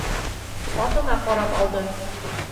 Атына ҡарап алды.